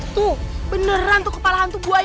itu beneran tuh kepala hantu buayaannya